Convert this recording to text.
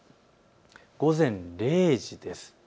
午前０時です。